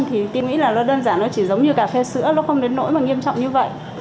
thì tôi nghĩ là nó đơn giản nó chỉ giống như cà phê sữa nó không đến nỗi mà nghiêm trọng như vậy